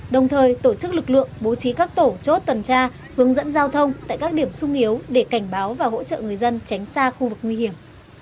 đồng thời tổ chức lực lượng bố trí các tổ chốt tuần tra hướng dẫn giao thông tại các điểm sung yếu để cảnh báo và hỗ trợ người dân tránh xa khu vực nguy hiểm